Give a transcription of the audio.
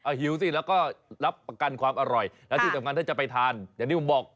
หิวสิแล้วก็รับประกันความอร่อยและที่สำคัญถ้าจะไปทานอย่างที่ผมบอก